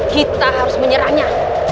kita harus menyerahnya